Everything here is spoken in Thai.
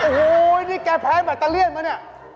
โอ้โหนี่แกแภนบรรตะเลี่ยนมั้ยนี่